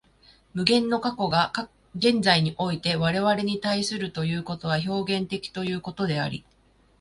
無限の過去が現在において我々に対するということは表現的ということであり、